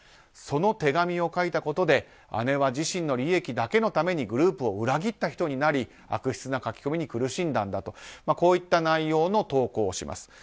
その手紙を書いたことで姉は自身の利益だけのためにグループを裏切った人になり悪質な書き込みに苦しんだといった内容の投稿をします。